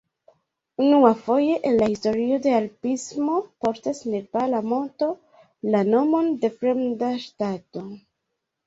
Unuafoje en la historio de alpismo portas nepala monto la nomon de fremda ŝtato.